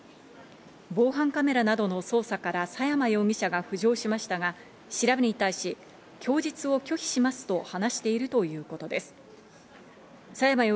防犯カメラなどの捜査から佐山容疑者が浮上しましたが、調べに対し供述を拒否しますと話しているということです。